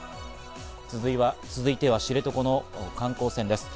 続いては知床の観光船です。